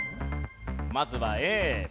まずはＡ。